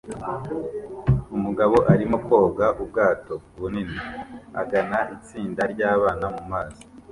Umugabo arimo koga ubwato bunini agana itsinda ryabana mumazi